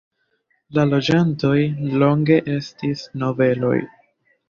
La loĝantoj longe estis nobeloj.